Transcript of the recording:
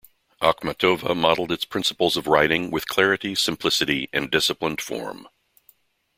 Akhmatova modeled its principles of writing with clarity, simplicity, and disciplined form.